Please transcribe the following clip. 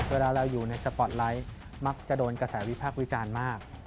เวลาเราอยู่ในสปอร์ตไลท์มักจะโดนกระแสวิพากษ์วิจารณ์มาก